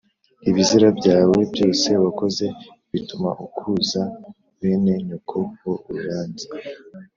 ibizira byawe byose wakoze bituma ukuza bene nyoko ho urubanza